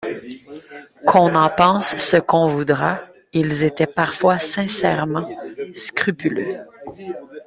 Qu’on en pense ce qu’on voudra, ils étaient parfois sincèrement scrupuleux.